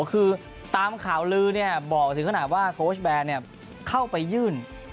คือตามข่าวลือบอกถึงขนาดว่าโค้ชแบนเข้าไปยื่น